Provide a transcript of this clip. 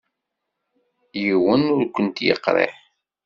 Yiwen ur kent-yekṛih.